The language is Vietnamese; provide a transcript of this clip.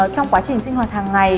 trong quá trình sinh hoạt hàng ngày